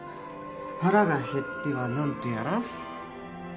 腹が減っては何とやら。